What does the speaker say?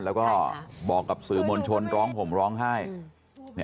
แล้วก็บอกกับสื่อมวลชนร้องห่มร้องไห้